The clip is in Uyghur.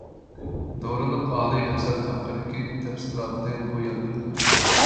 دورىلىق ئالىي ھەسەل ھەققىدىكى تەپسىلاتنى بۇ يەردىن كۆرۈڭ!